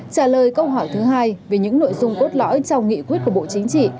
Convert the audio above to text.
trả lời câu hỏi thứ hai về những nội dung cốt lõi trong nghị quyết của bộ chính trị